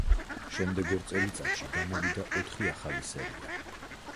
შემდეგ ორ წელიწადში გამოვიდა ოთხი ახალი სერია.